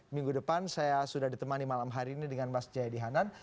minggu depan saya sudah ditemani malam hari ini dengan mas jayadi hanan